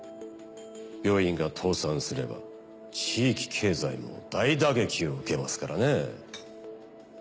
病院が倒産すれば地域経済も大打撃を受けますからねぇ。